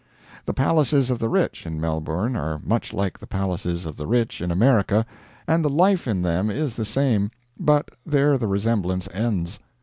The palaces of the rich, in Melbourne, are much like the palaces of the rich in America, and the life in them is the same; but there the resemblance ends.